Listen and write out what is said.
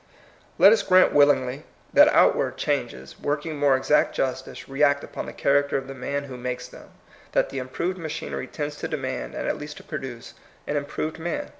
Let us grant willingly, that outward THS MOTTO OF VICTORY. 171 changes, working more exact justice, react upon the character of the man who makes them, that the improved machinery tends to demand, and at last to produce, an im proved man.